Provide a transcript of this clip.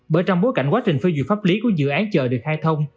bởi trong bối cảnh quá trình phê dụng pháp lý của dự án chờ được khai thông